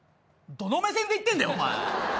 どの目線で言ってんだよお前！